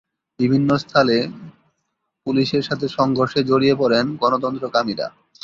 বিভিন্ন স্থানে পুলিশের সাথে সংঘর্ষে জড়িয়ে পড়েন গণতন্ত্রকামীরা।